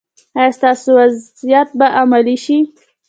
ایا ستاسو وصیت به عملي شي؟